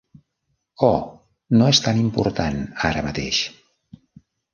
Oh, no és tan important ara mateix.